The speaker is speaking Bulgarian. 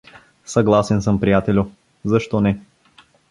— Съгласен съм, приятелю, защо не!